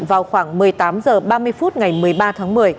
vào khoảng một mươi tám h ba mươi phút ngày một mươi ba tháng một mươi